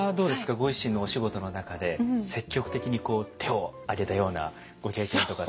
ご自身のお仕事の中で積極的に手をあげたようなご経験とかって。